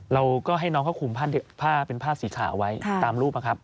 เราก็ให้น้องเขาคลุมผ้าเด็กผ้าเป็นผ้าสีขาวไว้ค่ะตามรูปอะครับ